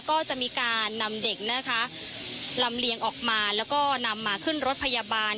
ก็จะมีการนำเด็กนะคะลำเลียงออกมาแล้วก็นำมาขึ้นรถพยาบาล